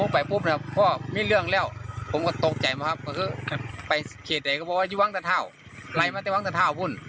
ไปเขตไหนก็บอกว่าที่ว้างตะเท่าไล่มาที่ว้างตะเท่าพูด